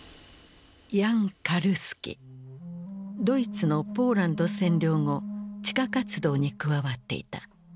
ドイツのポーランド占領後地下活動に加わっていた。